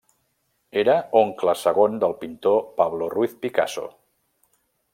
Era oncle segon del pintor Pablo Ruiz Picasso.